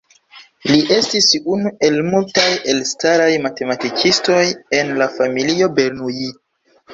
Li estis unu el multaj elstaraj matematikistoj en la familio Bernoulli.